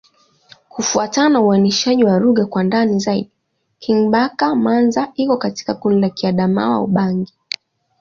Kufuatana na uainishaji wa lugha kwa ndani zaidi, Kingbaka-Manza iko katika kundi la Kiadamawa-Ubangi.